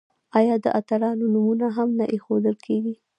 آیا د اتلانو نومونه هم نه ایښودل کیږي؟